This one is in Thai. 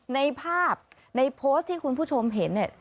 ในภาพในโพสต์ที่คุณผู้ชมเห็นเนี่ย